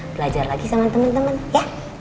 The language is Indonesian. belajar lagi sama temen temen ya